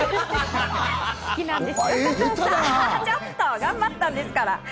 ちょっと、頑張ったんですから！